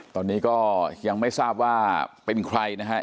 ตอนนี้ก็ยังไม่ทราบว่าเป็นใครนะครับ